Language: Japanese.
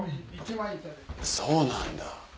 そうなんだ。